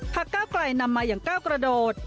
ก้าวไกลนำมาอย่างก้าวกระโดด